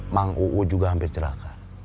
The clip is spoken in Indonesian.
mang uu juga hampir celaka